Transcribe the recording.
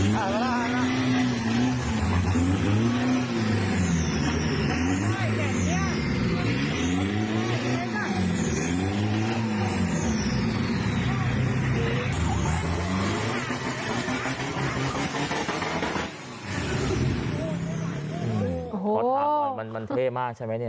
โฐษศาตุมันเท่มากใช่มั้ยเนี่ย